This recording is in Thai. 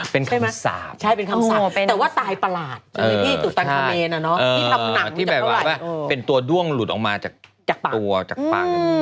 เป็นคำศาสตร์แต่ว่าตายประหลาดที่ทำหนังเป็นตัวด้วงหลุดออกมาจากตัวจากปัง